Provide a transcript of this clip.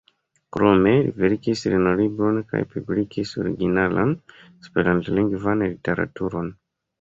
Krome, li verkis lernolibron kaj publikigis originalan esperantlingvan literaturon.